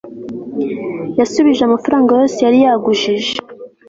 yasubije amafaranga yose yari yagujije